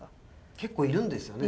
結構いるんですよね